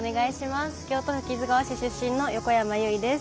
京都府木津川市出身の横山由依です。